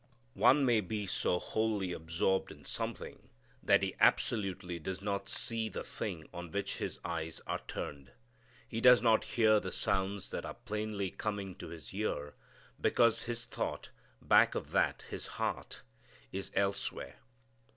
One may be so wholly absorbed in something that he absolutely does not see the thing on which his eyes are turned. He does not hear the sounds that are plainly coming to his ear because his thought, back of that his heart, is elsewhere.